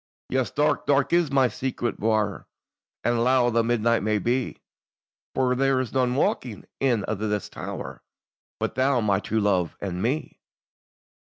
"Yes, dark, dark is my secret bouir, And lown the midnight may be; For there is none waking in a' this tower But thou, my true love, and me."